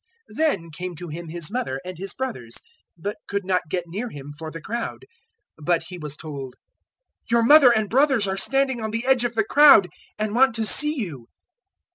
008:019 Then came to Him His mother and His brothers, but could not get near Him for the crowd. 008:020 But He was told, "Your mother and brothers are standing on the edge of the crowd, and want to see you."